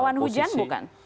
awan hujan bukan